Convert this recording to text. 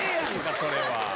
それは。